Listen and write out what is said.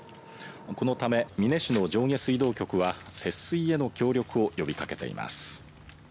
このため美祢市の上下水道局は節水への協力を呼びかけています。